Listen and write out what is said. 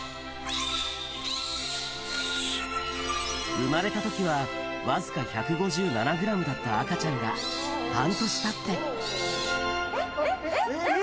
生まれた時はわずか１５７ｇだった赤ちゃんが半年経ってえっ！